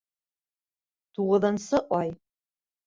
Туғыҙынсы ай.